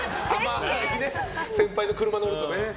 先輩の車乗るとね。